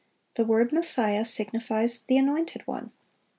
The word "Messiah" signifies "the Anointed One."